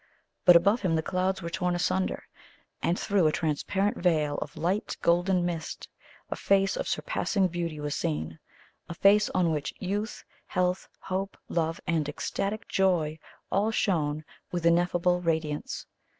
But above him the clouds were torn asunder, and through a transparent veil of light golden mist, a face of surpassing beauty was seen a face on which youth, health, hope, love, and ecstatic joy all shone with ineffable radiance.